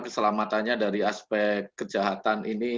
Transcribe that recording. keselamatannya dari aspek kejahatan ini